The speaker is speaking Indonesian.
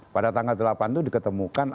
pada tanggal delapan itu diketemukan